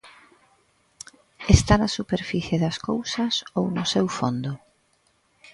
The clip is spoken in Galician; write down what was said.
Está na superficie das cousas ou no seu fondo?